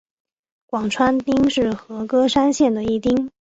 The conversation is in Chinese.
广川町是和歌山县的一町。